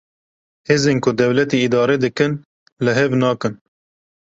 Hêzên ku dewletê îdare dikin, li hev nakin